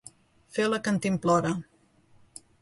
Fer la cantimplora.